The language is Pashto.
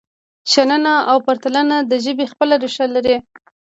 شننه او پرتلنه د ژبې خپل ریښه لري.